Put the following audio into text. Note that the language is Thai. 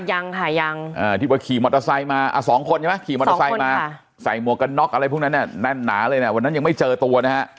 หายังที่ว่าขี่มอเตอร์ไซซ์มา๒คนใช่ไหมทำอย่างนั้นไม่เจอตัวนะฮะ